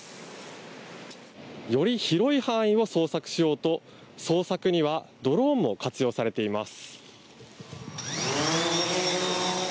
より広い範囲を捜索しようと捜索にはドローンも活用されています。